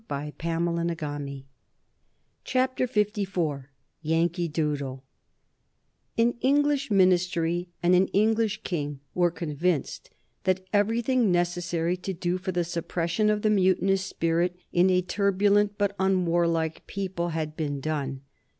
[Sidenote: 1775 The Philadelphia Congress] An English ministry and an English king were convinced that everything necessary to do for the suppression of the mutinous spirit in a turbulent but unwarlike people had been done.